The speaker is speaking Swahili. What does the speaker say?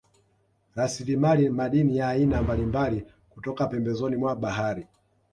Rasilimali madini ya aina mbalimbali kutoka pembezoni mwa bahari